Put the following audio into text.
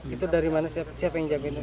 itu dari mana siapa yang jamin